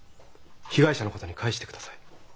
被害者の方に返してください。